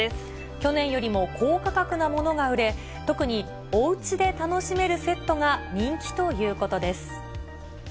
去年よりも高価格なものが売れ、特におうちで楽しめるセットが人気ということです。